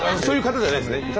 そういう方じゃないんですね。